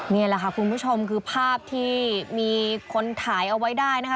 นี่แหละค่ะคุณผู้ชมคือภาพที่มีคนถ่ายเอาไว้ได้นะคะ